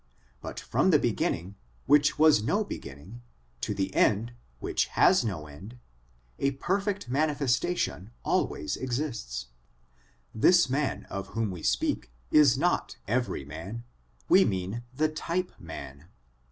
But from the beginning which has no beginning, to the end which has no end, a perfect manifestation always exists. This man of whom we speak is not every man ; we mean the type man.